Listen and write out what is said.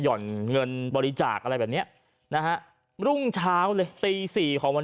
่อนเงินบริจาคอะไรแบบเนี้ยนะฮะรุ่งเช้าเลยตีสี่ของวัน